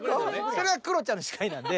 それはクロちゃんの視界なんで。